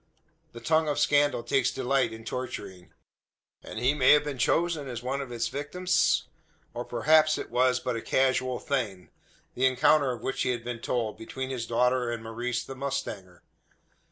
The tongue of scandal takes delight in torturing; and he may have been chosen as one of its victims? Or, perhaps, it was but a casual thing the encounter of which he had been told, between his daughter and Maurice the mustanger?